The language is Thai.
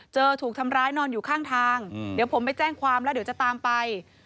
ถูกทำร้ายนอนอยู่ข้างทางเดี๋ยวผมไปแจ้งความแล้วเดี๋ยวจะตามไป